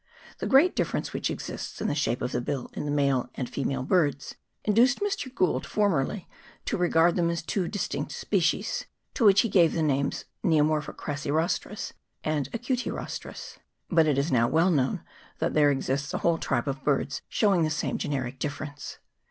The great difference which exists in the shape of the bill in the male and female birds induced Mr. Gould for merly to regard them as two distinct species, to which he gave the names Neomorpha crassirostris and acutirostris ; but it is now well known that there exists a whole tribe of birds showing the same generic difference.